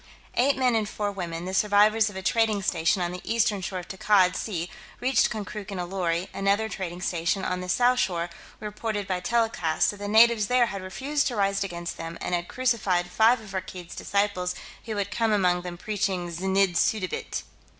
Eight men and four women, the survivors of a trading station on the eastern shore of Takkad Sea, reached Konkrook in a lorry; another trading station, on the south shore, reported by telecast that the natives there had refused to rise against them, and had crucified five of Rakkeed's disciples who had come among them preaching znidd suddabit.